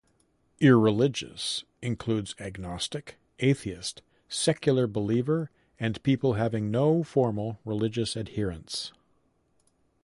Irreligious includes agnostic, atheist, secular believer, and people having no formal religious adherence.